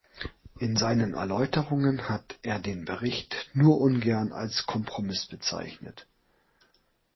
In seinen Erläuterungen hat er den Bericht nur ungern als Kompromiss bezeichnet.